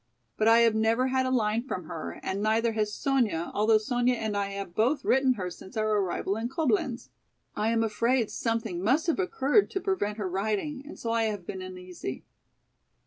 But I have never had a line from her and neither has Sonya although Sonya and I have both written her since our arrival in Coblenz. I am afraid something must have occurred to prevent her writing and so I have been uneasy."